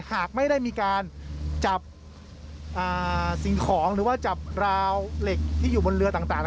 หากไม่ได้มีการจับสิ่งของหรือว่าจับราวเหล็กที่อยู่บนเรือต่าง